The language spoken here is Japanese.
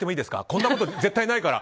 こんなこと絶対ないから。